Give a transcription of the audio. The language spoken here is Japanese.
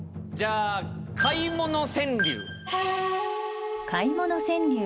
じゃあ買い物川柳。